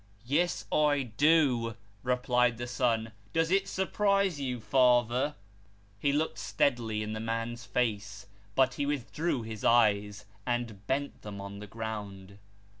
" Yes, I do," replied the son. " Does it surprise you, father ?" He looked steadily in the man's face, but he withdrew his eyes, and bent them on the ground.